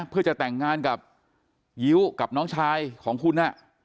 เพื่อจะแต่งงานกับยิ้วกับน้องชายของคุณ